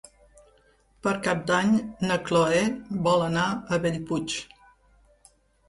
Per Cap d'Any na Cloè vol anar a Bellpuig.